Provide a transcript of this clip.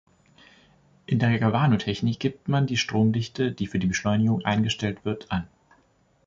In der Galvanotechnik gibt man die Stromdichte, die für die Beschichtung eingestellt wird, an.